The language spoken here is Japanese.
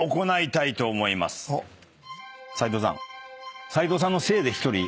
斉藤さん。